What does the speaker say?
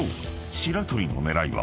白鳥の狙いは］